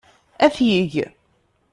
Ad t-yeg.